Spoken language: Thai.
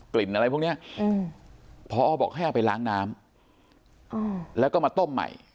อะไรพวกนี้พอบอกให้เอาไปล้างน้ำแล้วก็มาต้มใหม่